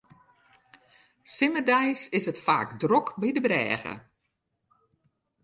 Simmerdeis is it faak drok by de brêge.